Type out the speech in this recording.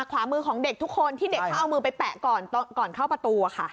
ขวามือของเด็กทุกคนที่เด็กเขาเอามือไปแปะก่อนเข้าประตูค่ะ